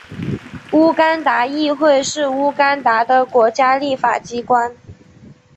乌干达议会是乌干达的国家立法机关。